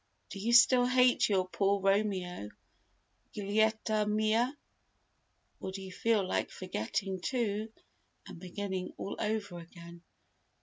Do you still hate your poor Romeo, Giullietta mia, or do you feel like forgetting, too, and beginning all over again?"